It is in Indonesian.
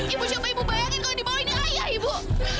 ibu coba bayangin kalau dibawah ini ayah ibu